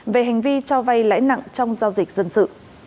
về hành vi cho vay lãi nặng trong giao dịch dân sự